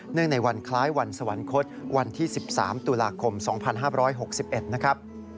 ในวันคล้ายวันสวรรคตวันที่๑๓ตุลาคม๒๕๖๑นะครับ